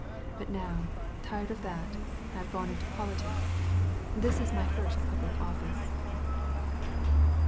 But now» tired of that> I have gone into politics. This is my first public oflSce."